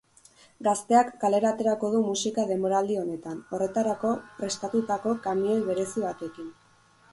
Gazteak kalera aterako du musika denboraldi honetan, horretarako prestatutako kamioi berezi batekin.